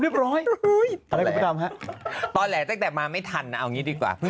เรียบร้อยตอนแหละตั้งแต่มาไม่ทันเอาอย่างงี้ดีกว่าเพิ่ง